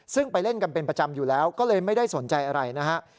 ซึ่งไปเล่นกันเป็นประจำอยู่แล้วก็เลยไม่ได้สนใจอะไรนะฮะ